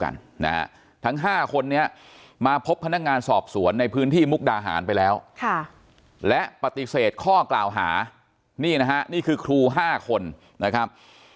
นี่นะครับนี่คือครูห้าคนนะครับ